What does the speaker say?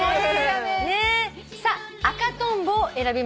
さあ「赤とんぼ」を選びました